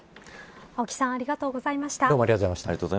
青木さんありがとうございました。